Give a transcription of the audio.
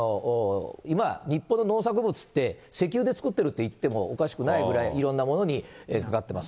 今、日本の農作物って石油で作ってると言ってもおかしくないぐらい、いろんなものにかかってます。